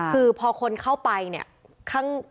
คือพอคนเข้าไปเนี่ย